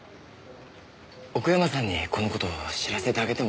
奥山さんにこの事知らせてあげてもいいですか？